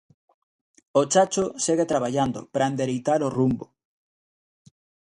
O Chacho segue traballando, para endereitar o rumbo.